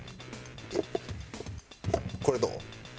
これどう？